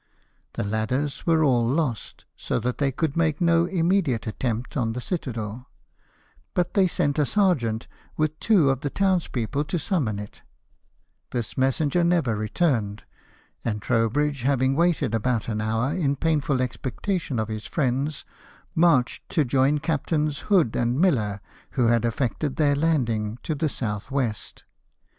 The ladders were all lost, so that they could make no immediate attempt on the citadel ; but they sent a sergeant, with two of the town's people, to summon it ; this messenger never returned ; and Trowbridge, having waited about an hour in painful expectation of his friends, marched to join Captains Hood and Miller, who had effected their landing to the south west.